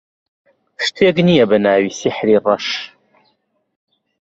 شتێک نییە بە ناوی سیحری ڕەش.